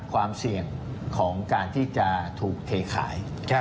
ความเสี่ยงของการที่จะถูกเทขาย